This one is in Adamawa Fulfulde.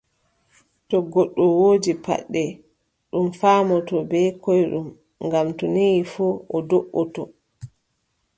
To goɗɗo woodi paɗɗe, ɗum faamotoo bee koyɗum, ngam to neei fuu, o do"otoo,